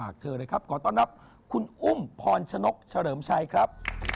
ขอต้อนรับคุณอุ้มพรชนกเฉลิมชัยครับ